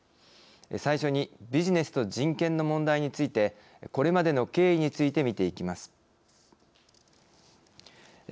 最初にビジネスと人権の問題についてこれまでの経緯についてみていきます。